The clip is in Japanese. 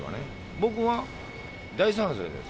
僕は大賛成です。